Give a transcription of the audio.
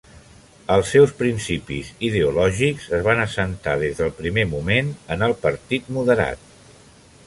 Els seus principis ideològics es van assentar, des del primer moment en el Partit Moderat.